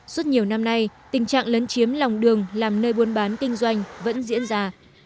suốt nhiều năm nay tình trạng lấn chiếm lòng đường làm nơi buôn bán kinh doanh vẫn diễn ra